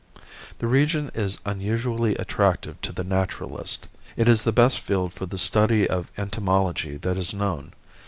The region is unusually attractive to the naturalist. It is the best field for the study of entomology that is known.